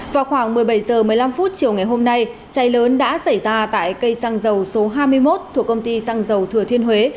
vào khoảng một mươi bảy h một mươi năm chiều ngày hôm nay cháy lớn đã xảy ra tại cây xăng dầu số hai mươi một thuộc công ty xăng dầu thừa thiên huế